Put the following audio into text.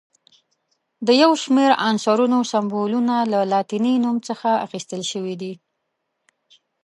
د یو شمېر عنصرونو سمبولونه له لاتیني نوم څخه اخیستل شوي دي.